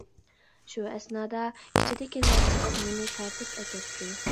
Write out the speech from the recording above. شۇ ئەسنادا ئىچىدىكىلەر چىقىپ مېنى تارتىپ ئەكەتتى.